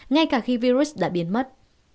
ngay cả khi virus đã biến mất